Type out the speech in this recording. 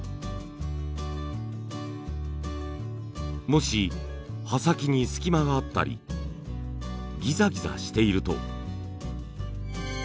もし刃先に隙間があったりギザギザしていると。